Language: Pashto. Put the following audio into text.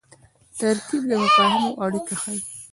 ترکیب د مفاهیمو اړیکه ښيي.